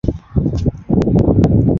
元仁宗延佑六年。